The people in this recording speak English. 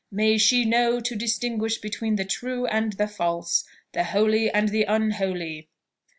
May she know to distinguish between the true and the false, the holy and the unholy!"